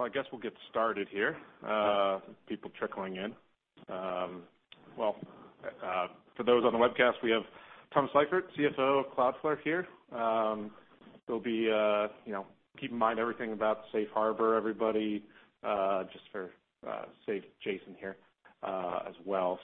Well, I guess we'll get started here. People trickling in. For those on the webcast, we have Thomas Seifert, CFO of Cloudflare here. They'll be, you know, keep in mind everything about Safe Harbor, everybody, just to be safe, Jason here, as well.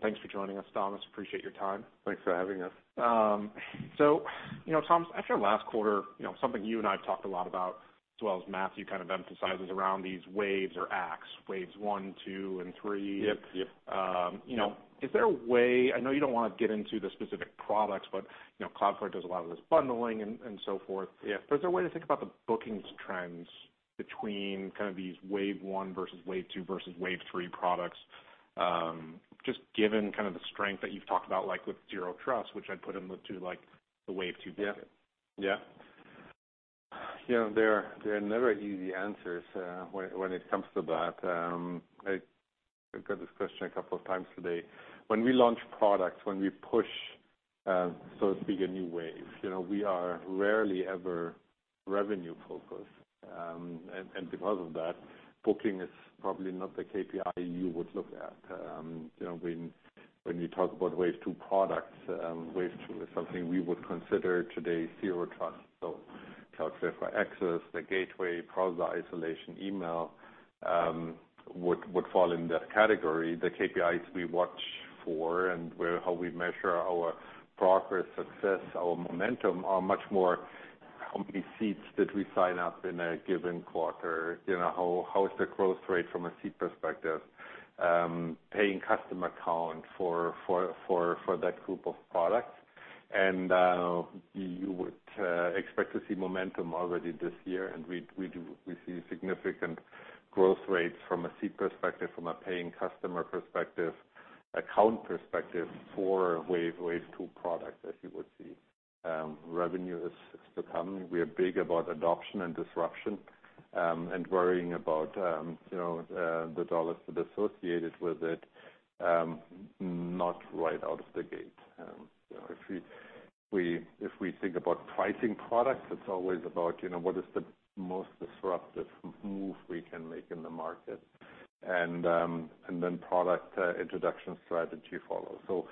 Thanks for joining us, Thomas. Appreciate your time. Thanks for having us. You know, Thomas, after last quarter, you know, something you and I have talked a lot about, as well as Matthew kind of emphasizes around these waves or acts, waves one, two, and three. Yep. Yep. You know, is there a way? I know you don't wanna get into the specific products, but, you know, Cloudflare does a lot of this bundling and so forth. Yeah. Is there a way to think about the bookings trends between kind of these wave one versus wave two versus wave three products, just given kind of the strength that you've talked about, like, with Zero Trust, which I'd put into, like, the wave two bucket? Yeah. Yeah. You know, there are never easy answers when it comes to that. I got this question a couple of times today. When we launch products, when we push, so to speak, a new wave, you know, we are rarely ever revenue focused. And because of that, booking is probably not the KPI you would look at. You know, when you talk about wave two products, wave two is something we would consider today Zero Trust. Cloudflare Access, the Gateway, Browser Isolation, email would fall in that category. The KPIs we watch for and how we measure our progress, success, our momentum are much more how many seats did we sign up in a given quarter, you know, how is the growth rate from a seat perspective, paying customer count for that group of products. You would expect to see momentum already this year. We do. We see significant growth rates from a seat perspective, from a paying customer perspective, account perspective for wave two products, as you would see. Revenue is to come. We are big about adoption and disruption, and worrying about, you know, the dollars that are associated with it, not right out of the gate. If we think about pricing products, it's always about, you know, what is the most disruptive move we can make in the market. Then product introduction strategy follows.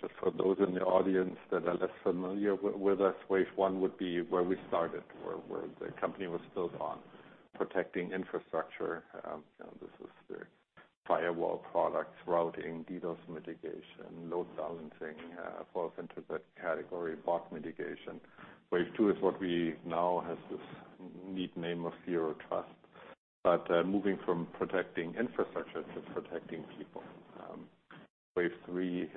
Just for those in the audience that are less familiar with us, wave one would be where we started, where the company was built on protecting infrastructure. You know, this is the firewall products, routing, DDoS mitigation, load balancing, falls into that category, bot mitigation. Wave two is what we now has this neat name of Zero Trust. Moving from protecting infrastructure to protecting people. Wave three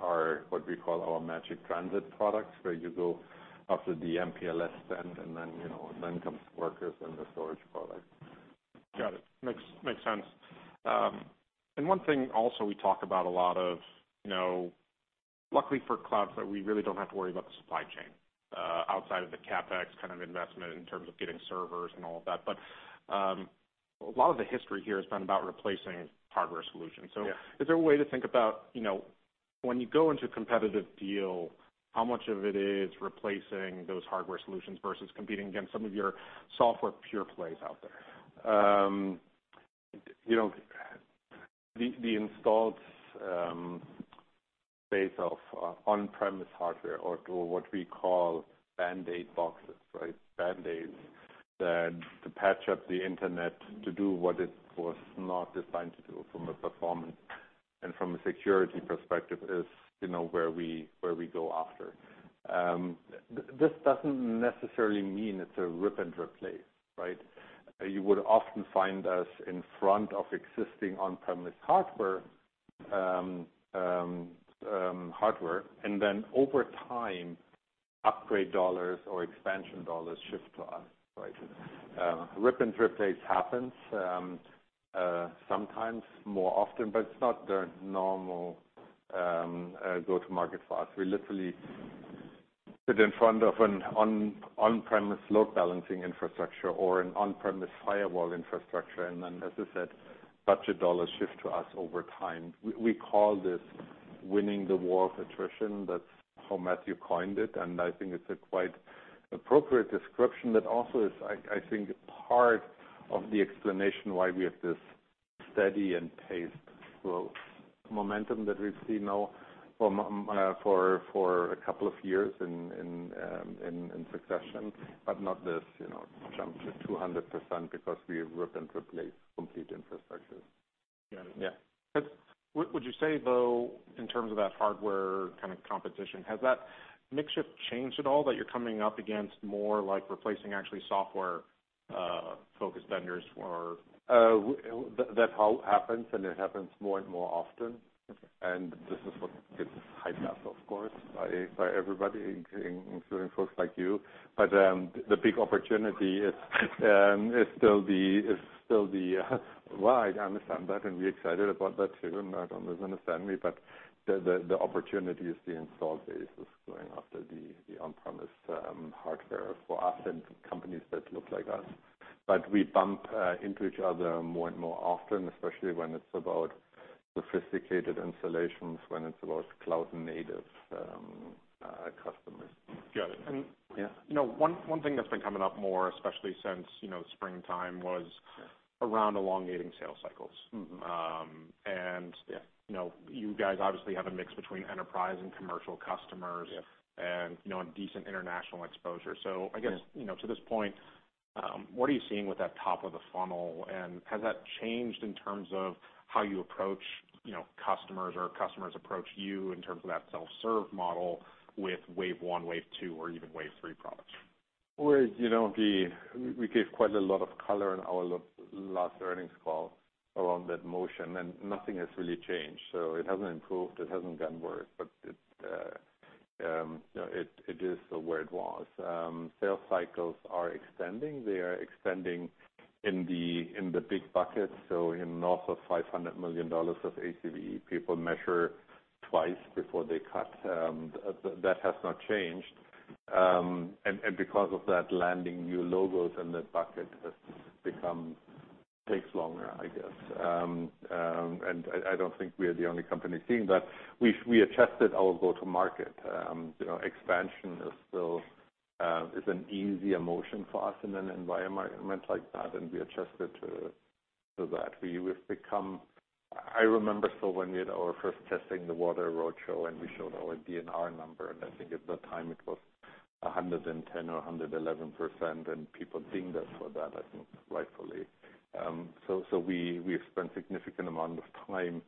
are what we call our Magic Transit products, where you go after the MPLS spend and then, you know, then comes Workers and the storage products. Got it. Makes sense. One thing also we talk about a lot of, you know, luckily for Cloudflare, we really don't have to worry about the supply chain outside of the CapEx kind of investment in terms of getting servers and all of that. A lot of the history here has been about replacing hardware solutions. Yeah. Is there a way to think about, you know, when you go into a competitive deal, how much of it is replacing those hardware solutions versus competing against some of your software pure plays out there? You know, the installed base of on-premise hardware or to what we call band-aid boxes, right? Band-aids to patch up the internet to do what it was not designed to do from a performance and from a security perspective is, you know, where we go after. This doesn't necessarily mean it's a rip and replace, right? You would often find us in front of existing on-premise hardware, and then over time, upgrade dollars or expansion dollars shift to us, right? Rip and replace happens sometimes more often, but it's not the normal go-to-market for us. We literally sit in front of an on-premise load balancing infrastructure or an on-premise firewall infrastructure, and then as I said, budget dollars shift to us over time. We call this winning the war of attrition. That's how Matthew coined it. I think it's a quite appropriate description that also is, I think, part of the explanation why we have this steady and paced growth momentum that we've seen now for a couple of years in succession, but not this, you know, jump to 200% because we rip and replace complete infrastructure. Got it. Yeah. Would you say, though, in terms of that hardware kind of competition, has that mix shift changed at all that you're coming up against more like replacing actually software-focused vendors or? That's how it happens and it happens more and more often. Okay. This is what gets hyped up, of course, by everybody including folks like you. Well, I understand that, and we're excited about that too. Don't misunderstand me. The opportunity is the install base. It's going after the on-premise hardware for us and companies like us. We bump into each other more and more often, especially when it's about sophisticated installations, when it's about cloud native customers. Got it. Yeah. You know, one thing that's been coming up more, especially since, you know, springtime was. Yeah around elongating sales cycles. Mm-hmm. Um, and- Yeah You know, you guys obviously have a mix between enterprise and commercial customers. Yeah you know, a decent international exposure. I guess. Yeah You know, to this point, what are you seeing with that top of the funnel? And has that changed in terms of how you approach, you know, customers or customers approach you in terms of that self-serve model with wave one, wave two, or even wave three products? Well, you know, we gave quite a lot of color in our last earnings call around that motion, and nothing has really changed. It hasn't improved, it hasn't gotten worse, but it, you know, it is where it was. Sales cycles are extending. They are extending in the big buckets, so north of $500 million of ACV, people measure twice before they cut. That has not changed. Because of that, landing new logos in that bucket takes longer, I guess. I don't think we are the only company seeing that. We adjusted our go-to market. You know, expansion is still is an easier motion for us in an environment like that, and we adjusted to that. We've become... I remember when we had our first Testing the Waters roadshow, and we showed our DBNR number, and I think at the time it was 110% or 111%, and people dinged us for that, I think rightfully. We have spent significant amount of time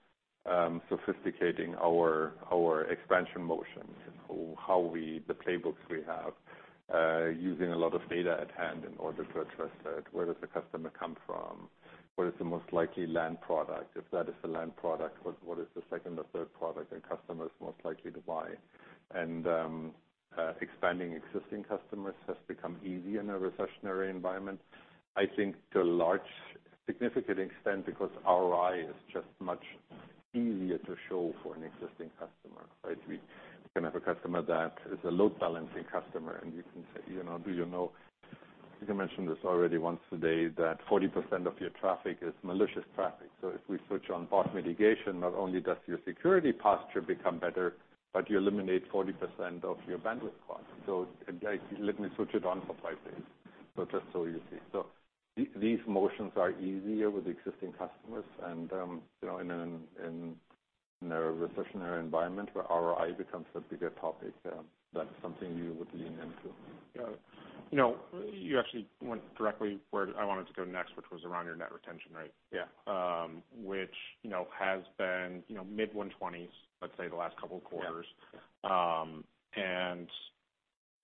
sophisticating our expansion motions and the playbooks we have using a lot of data at hand in order to address that. Where does the customer come from? What is the most likely land product? If that is the land product, what is the second or third product a customer is most likely to buy? Expanding existing customers has become easier in a recessionary environment, I think to a large significant extent because ROI is just much easier to show for an existing customer, right? We can have a customer that is a load balancing customer, and you can say, "You know, do you know," I think I mentioned this already once today, "that 40% of your traffic is malicious traffic? So if we switch on bot mitigation, not only does your security posture become better, but you eliminate 40% of your bandwidth costs. So like let me switch it on for five days so just so you see." These motions are easier with existing customers and, you know, in a recessionary environment where ROI becomes a bigger topic, that's something you would lean into. Got it. You know, you actually went directly where I wanted to go next, which was around your net retention rate. Yeah. which, you know, has been, you know, mid-120s%, let's say the last couple of quarters. Yeah.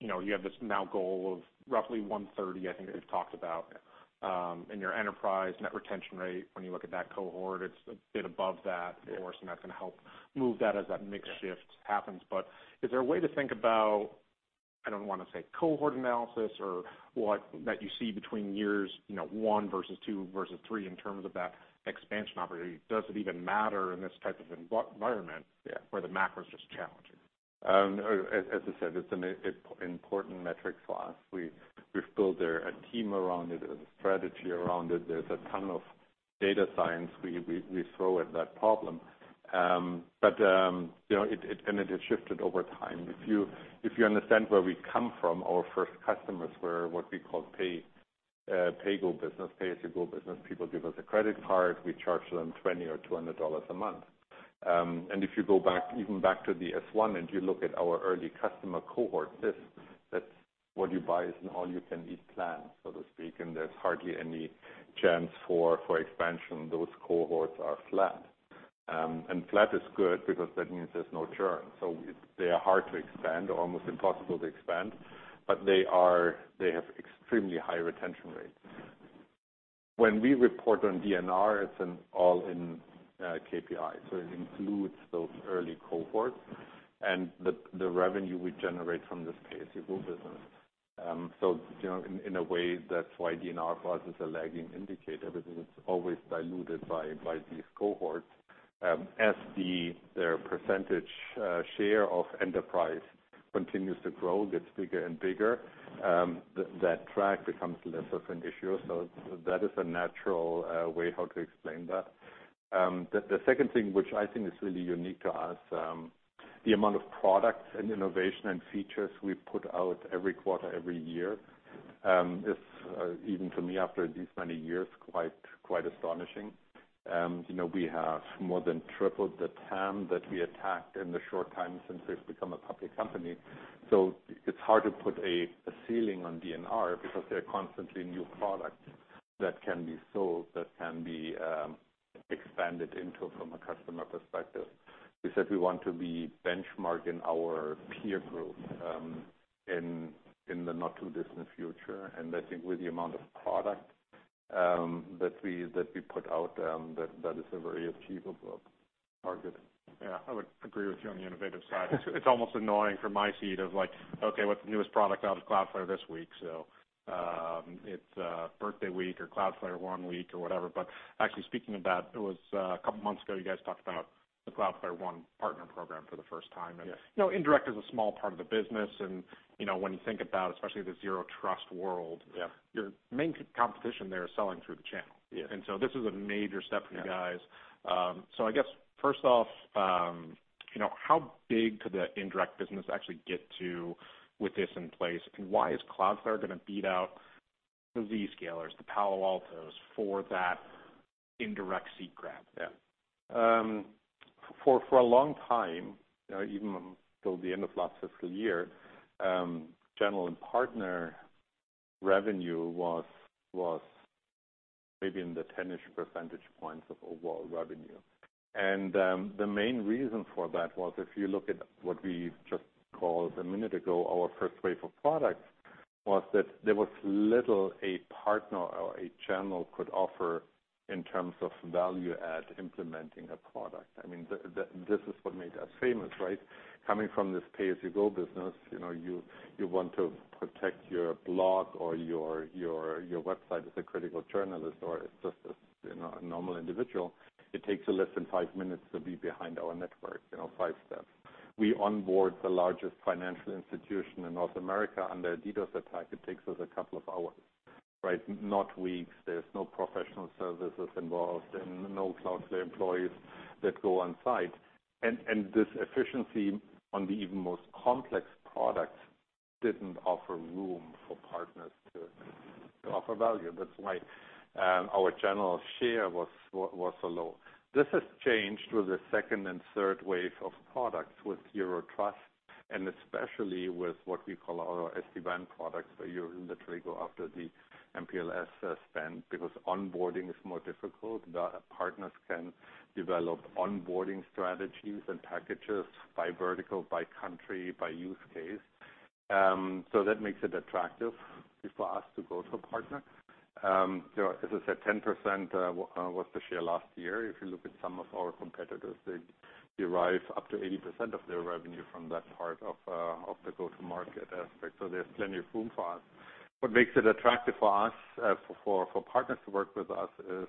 You know, you have this now goal of roughly 130 I think that you've talked about. Yeah. In your enterprise net retention rate, when you look at that cohort, it's a bit above that. Yeah Of course, that's gonna help move that as that mix shift happens. Is there a way to think about, I don't wanna say cohort analysis or what, that you see between years, you know, one versus two versus three in terms of that expansion opportunity? Does it even matter in this type of environment? Yeah where the macro is just challenging? As I said, it's an important metric for us. We've built a team around it, a strategy around it. There's a ton of data science we throw at that problem. You know, it has shifted over time. If you understand where we come from, our first customers were what we call pay-as-you-go business. People give us a credit card, we charge them $20 or $200 a month. If you go back, even back to the S-1 and you look at our early customer cohort, that what you buy is an all-you-can-eat plan, so to speak, and there's hardly any chance for expansion. Those cohorts are flat. Flat is good because that means there's no churn. They are hard to expand or almost impossible to expand, but they have extremely high retention rates. When we report on DBNR, it's an all-in KPI, so it includes those early cohorts and the revenue we generate from this pay-as-you-go business. You know, in a way, that's why DBNR for us is a lagging indicator because it's always diluted by these cohorts. Their percentage share of enterprise continues to grow, gets bigger and bigger, that track becomes less of an issue. That is a natural way how to explain that. The second thing which I think is really unique to us, the amount of products and innovation and features we put out every quarter, every year, is even to me after these many years, quite astonishing. You know, we have more than tripled the TAM that we attacked in the short time since we've become a public company. It's hard to put a ceiling on DBNR because there are constantly new products that can be sold, that can be expanded into from a customer perspective. We said we want to be the benchmark in our peer group in the not too distant future. I think with the amount of product that we put out, that is a very achievable. Target. Yeah, I would agree with you on the innovative side. It's almost annoying from my seat of like, okay, what's the newest product out of Cloudflare this week? It's Birthday Week or Cloudflare One week or whatever. Actually speaking of that, it was a couple months ago you guys talked about the Cloudflare One partner program for the first time. Yes. You know, indirect is a small part of the business, and, you know, when you think about especially the Zero Trust world. Yeah... your main competition there is selling through the channel. Yeah. This is a major step for you guys. I guess first off, you know, how big could the indirect business actually get to with this in place? Why is Cloudflare gonna beat out the Zscaler, the Palo Alto Networks for that indirect seat grab? Yeah. For a long time, you know, even till the end of last fiscal year, channel and partner revenue was maybe in the 10-ish percentage points of overall revenue. The main reason for that was if you look at what we just called a minute ago our first wave of products, was that there was little a partner or a channel could offer in terms of value add implementing a product. I mean, this is what made us famous, right? Coming from this pay-as-you-go business, you know, you want to protect your blog or your website as a critical journalist or just as, you know, a normal individual. It takes you less than 5 minutes to be behind our network, you know, five steps. We onboard the largest financial institution in North America on their DDoS attack, it takes us a couple of hours, right? Not weeks. There's no professional services involved and no Cloudflare employees that go on site. This efficiency on even the most complex products didn't offer room for partners to offer value. That's why our channel share was so low. This has changed with the second and third wave of products with Zero Trust and especially with what we call our SD-WAN products, where you literally go after the MPLS spend because onboarding is more difficult. The partners can develop onboarding strategies and packages by vertical, by country, by use case. So that makes it attractive for us to go to a partner. There are, as I said, 10% was the share last year. If you look at some of our competitors, they derive up to 80% of their revenue from that part of the go-to-market aspect, so there's plenty of room for us. What makes it attractive for us, for partners to work with us is,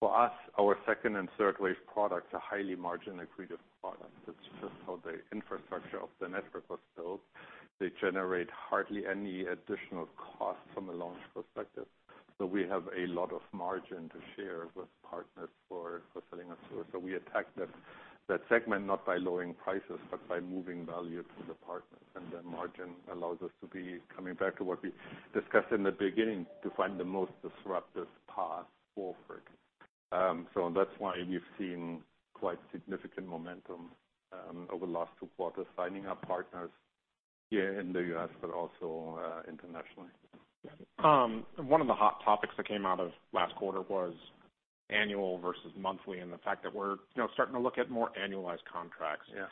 for us, our second and third wave products are highly margin-accretive products. That's just how the infrastructure of the network was built. They generate hardly any additional cost from a launch perspective. We have a lot of margin to share with partners for selling us through. We attack that segment not by lowering prices, but by moving value to the partner. The margin allows us to be coming back to what we discussed in the beginning, to find the most disruptive path forward. That's why you've seen quite significant momentum over the last two quarters, signing up partners here in the U.S., but also internationally. One of the hot topics that came out of last quarter was annual versus monthly, and the fact that we're, you know, starting to look at more annualized contracts. Yeah.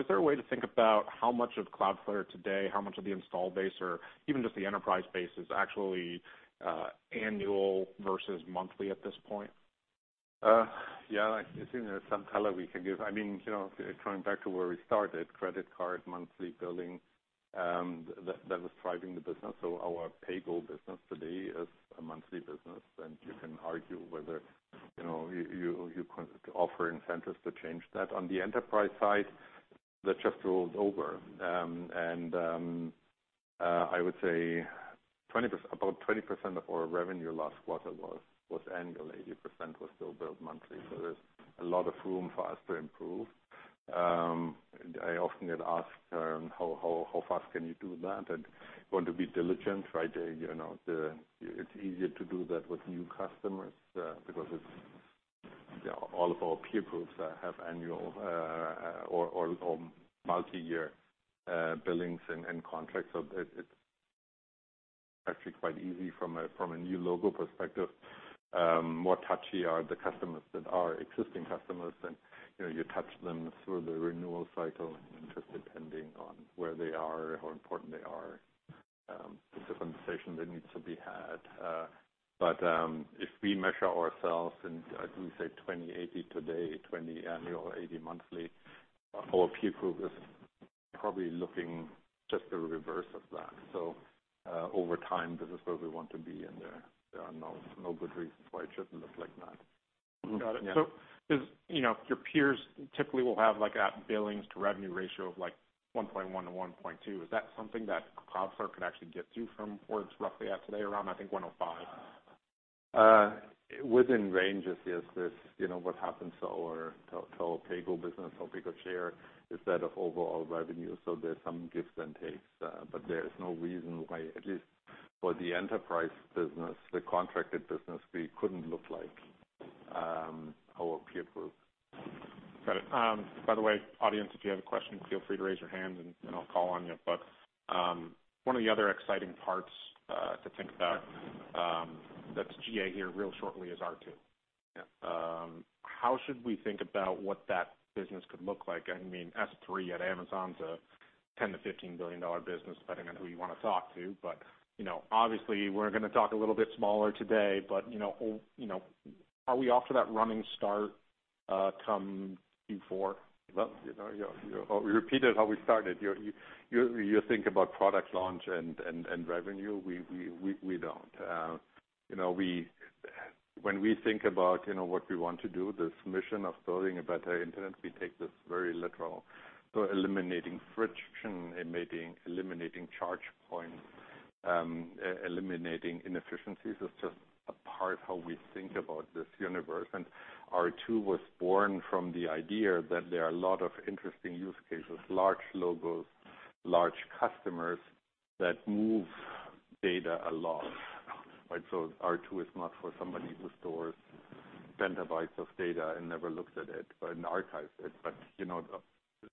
Is there a way to think about how much of Cloudflare today, how much of the install base or even just the enterprise base is actually, annual versus monthly at this point? I think there's some color we can give. I mean, you know, going back to where we started, credit card, monthly billing, that was driving the business. Our pay-go business today is a monthly business, and you can argue whether, you know, you can offer incentives to change that. On the enterprise side, that just rolled over. I would say 20%, about 20% of our revenue last quarter was annual, 80% was still billed monthly. There's a lot of room for us to improve. I often get asked, how fast can you do that? We want to be diligent, right? You know, it's easier to do that with new customers, because it's, you know, all of our peer groups have annual or multi-year billings and contracts. It's actually quite easy from a new logo perspective. More touchy are the customers that are existing customers and, you know, you touch them through the renewal cycle, and just depending on where they are, how important they are, it's a conversation that needs to be had. If we measure ourselves in, I think we say 20-80 today, 20 annual, 80 monthly, our peer group is probably looking just the reverse of that. Over time, this is where we want to be, and there are no good reasons why it shouldn't look like that. Got it. Yeah. You know, your peers typically will have like a billings to revenue ratio of like 1.1 to 1.2. Is that something that Cloudflare could actually get to from where it's roughly at today around, I think, 1.05? Within ranges, yes. There's, you know, what happens to our pay-go business or pay-go share is that of overall revenue, so there's some gives and takes. There is no reason why, at least for the enterprise business, the contracted business, we couldn't look like our peer group. Got it. By the way, audience, if you have a question, feel free to raise your hand and I'll call on you. One of the other exciting parts to think about that's GA here real shortly is R2. Yeah. How should we think about what that business could look like? I mean, S3 at Amazon's a $10-$15 billion business, depending on who you want to talk to. You know, obviously, we're gonna talk a little bit smaller today, but, you know, are we off to that running start, come Q4? Well, you know, we repeated how we started. You think about product launch and revenue. We don't. You know, when we think about what we want to do, this mission of building a better internet, we take this very literal. Eliminating friction, eliminating charge points, eliminating inefficiencies is just a part how we think about this universe. R2 was born from the idea that there are a lot of interesting use cases, large logos, large customers that move data a lot, right? R2 is not for somebody who stores petabytes of data and never looks at it, but archives it. You know,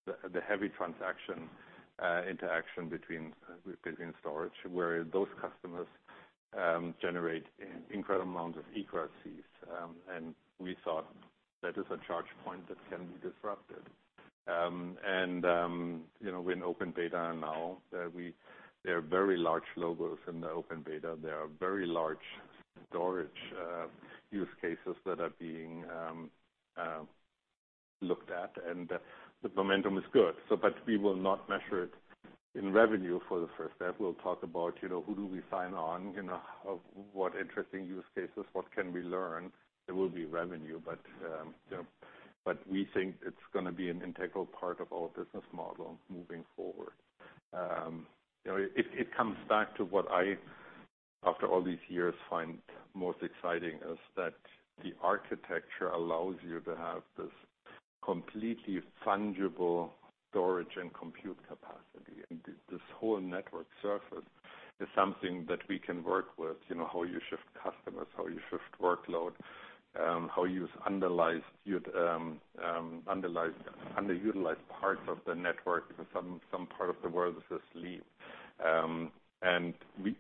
the heavy transaction interaction between storage, where those customers generate incredible amounts of egress. We thought that is a charge point that can be disrupted. You know, we're in open beta now. There are very large logos in the open beta. There are very large storage use cases that are being looked at, and the momentum is good. But we will not measure it in revenue for the first half. We'll talk about, you know, who do we sign on, you know, of what interesting use cases, what can we learn. There will be revenue, but you know, but we think it's gonna be an integral part of our business model moving forward. You know, it comes back to what I, after all these years, find most exciting, is that the architecture allows you to have this completely fungible storage and compute capacity. This whole network surface is something that we can work with, you know, how you shift customers, how you shift workload, how you underutilize parts of the network because some part of the world is asleep.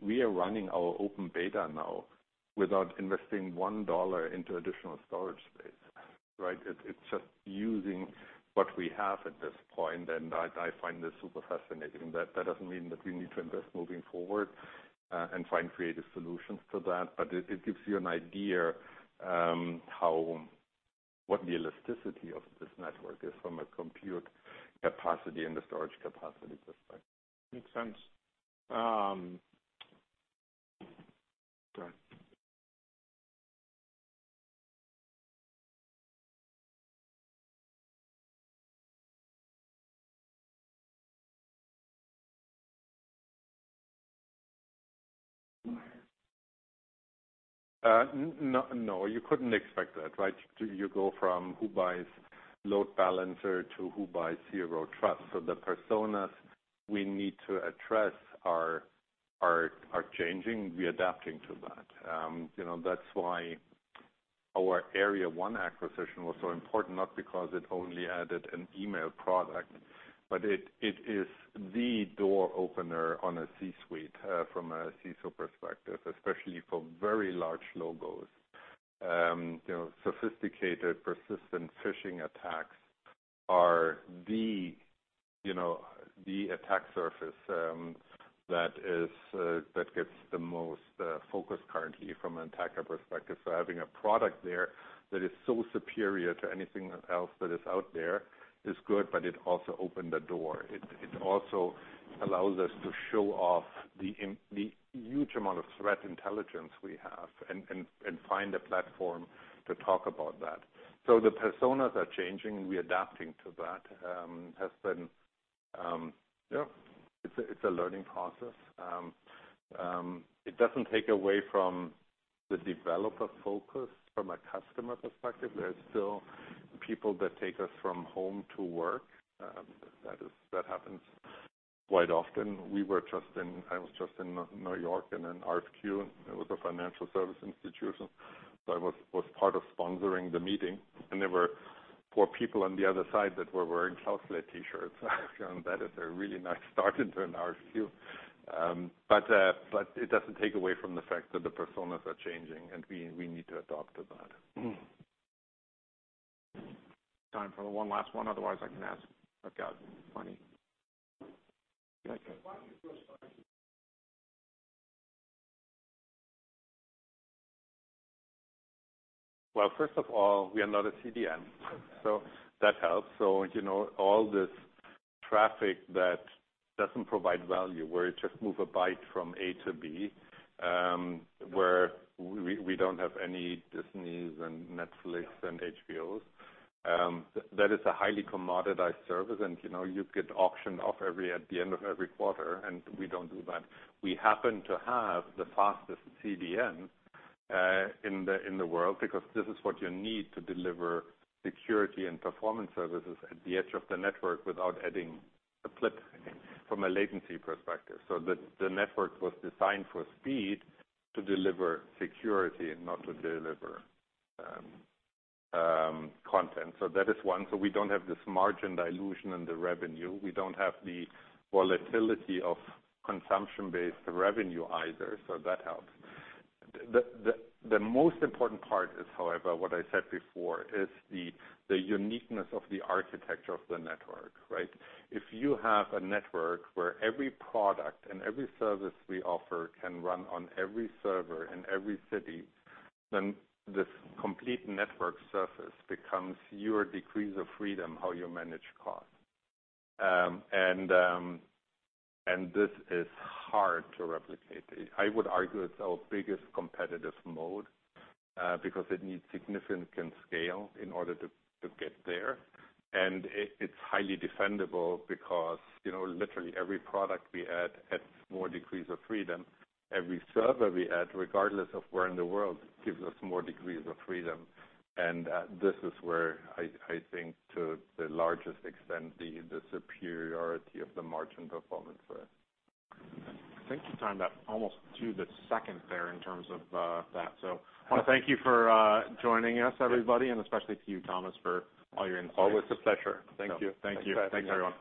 We are running our open beta now without investing $1 into additional storage space, right? It's just using what we have at this point, and I find this super fascinating. That doesn't mean that we need to invest moving forward, and find creative solutions to that, but it gives you an idea, what the elasticity of this network is from a compute capacity and the storage capacity perspective. Makes sense. Go ahead. No, you couldn't expect that, right? Do you go from who buys load balancer to who buys Zero Trust. The personas we need to address are changing. We're adapting to that. You know, that's why our Area 1 acquisition was so important, not because it only added an email product, but it is the door opener on a C-suite from a CISO perspective, especially for very large logos. You know, sophisticated, persistent phishing attacks are the attack surface that gets the most focus currently from an attacker perspective. Having a product there that is so superior to anything else that is out there is good, but it also opened the door. It also allows us to show off the huge amount of threat intelligence we have and find a platform to talk about that. The personas are changing. We're adapting to that. It has been a learning process, you know. It doesn't take away from the developer focus from a customer perspective. There are still people that take us from home to work. That happens quite often. I was just in New York in an RFQ with a financial service institution. I was part of sponsoring the meeting, and there were four people on the other side that were wearing Cloudflare T-shirts. That is a really nice start into an RFQ. It doesn't take away from the fact that the personas are changing, and we need to adapt to that. Time for one last one, otherwise I can ask, Money. Well, first of all, we are not a CDN, so that helps. You know, all this traffic that doesn't provide value, where it just move a byte from A to B, where we don't have any Disney and Netflix and HBO, that is a highly commoditized service. You know, you get auctioned off at the end of every quarter, and we don't do that. We happen to have the fastest CDN in the world because this is what you need to deliver security and performance services at the edge of the network without adding a flip from a latency perspective. The network was designed for speed to deliver security and not to deliver content. That is one. We don't have this margin dilution in the revenue. We don't have the volatility of consumption-based revenue either, so that helps. The most important part is, however, what I said before, is the uniqueness of the architecture of the network, right? If you have a network where every product and every service we offer can run on every server in every city, then this complete network surface becomes your degrees of freedom, how you manage costs. This is hard to replicate. I would argue it's our biggest competitive moat, because it needs significant scale in order to get there. It's highly defendable because, you know, literally every product we add adds more degrees of freedom. Every server we add, regardless of where in the world, gives us more degrees of freedom. This is where I think to the largest extent, the superiority of the margin performance is. I think you timed that almost to the second there in terms of that. I wanna thank you for joining us, everybody, and especially to you, Thomas, for all your insights. Always a pleasure. Thank you. Thank you. Thanks, everyone.